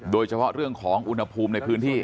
โดยเฉพาะเรื่องของอุณหภูมิในพื้นที่